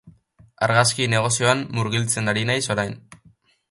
Argazki-negozioan murgiltzen ari naiz orain.